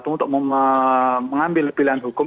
untuk mengambil pilihan hukum